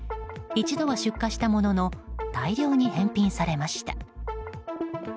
一度は出荷したものの大量に返品されました。